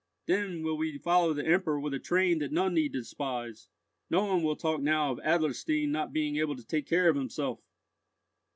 Then will we follow the Emperor with a train that none need despise! No one will talk now of Adlerstein not being able to take care of himself!"